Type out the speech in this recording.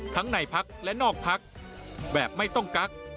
ทั้งในพักและนอกพักแบบไม่ต้องกัก